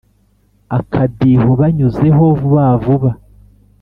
Akadiho banyuzeho vuba vuba